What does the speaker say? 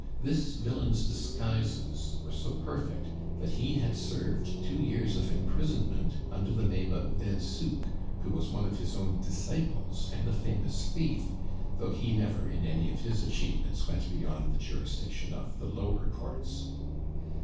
This villain's disguises were so perfect, that he had served two years of imprisonment under the name of Delsouq, who was one of his own disciples, and a famous thief, though he never, in any of his achievements, went beyond the jurisdiction of the lower Courts.